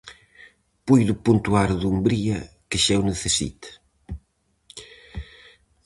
Puido puntuar o Dumbría que xa o necesita.